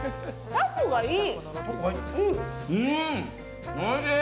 タコがいい！